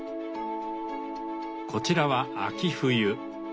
こちらは秋冬。